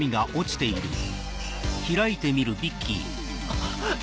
あっ！